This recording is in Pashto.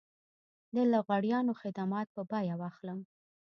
د لغړیانو خدمات په بيه واخلم.